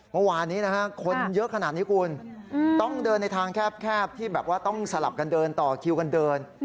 เมื่อวานนี้นะฮะคนเยอะขนาดนี้คุณต้องเดินในทางแคบที่แบบว่าต้องสลับกันเดินต่อคิวกันเดิน